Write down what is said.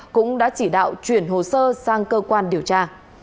cũng đã chỉ đạo chuyển hồ sơ sang cơ quan điều tra